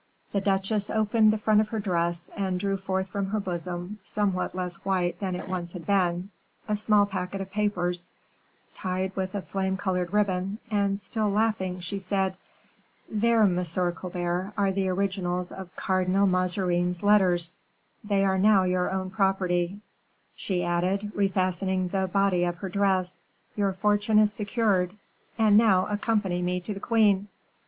The duchesse opened the front of her dress and drew forth from her bosom, somewhat less white than it once had been, a small packet of papers, tied with a flame colored ribbon, and, still laughing, she said, "There, Monsieur Colbert, are the originals of Cardinal Mazarin's letters; they are now your own property," she added, refastening the body of her dress; "your fortune is secured. And now accompany me to the queen."